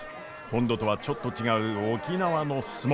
本土とはちょっと違う沖縄の角力。